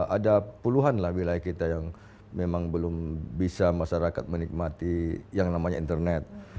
ada puluhan lah wilayah kita yang memang belum bisa masyarakat menikmati yang namanya internet